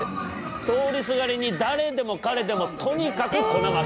通りすがりに誰でも彼でもとにかく粉まき。